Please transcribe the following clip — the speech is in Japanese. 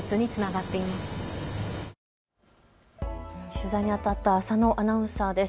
取材にあたった浅野アナウンサーです。